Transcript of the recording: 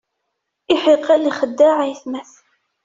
Iḥiqel ixeddeɛ ayetma-s.